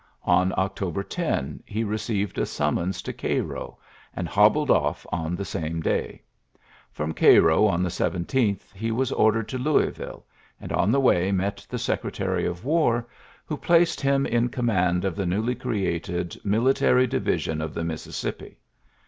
< October 10 lie received a summons GairO; and hobbled off on the same Ai Prom Gairo on the 17th he was ordei to Louisville, and on the way met t Secretary of War, who placed him command of the newly created Milita Division of the Mississippi.